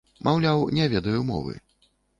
Маўляў, не ведаю мовы.